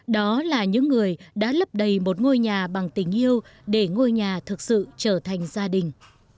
đó là những người đã lấp đầy một ngôi nhà bằng tình yêu để ngôi nhà thực sự trở thành gia đình